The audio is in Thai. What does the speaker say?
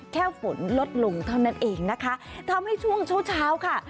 แค่ฝนลดลงเท่านั้นเองนะคะทำให้ช่วงเช้าเช้าค่ะ